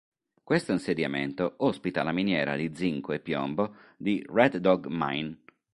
Questo insediamento ospita la miniera di zinco e piombo di "Red Dog Mine".